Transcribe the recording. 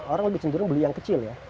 orang lebih cenderung beli yang kecil ya